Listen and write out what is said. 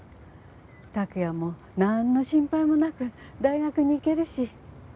託也もなんの心配もなく大学に行けるし。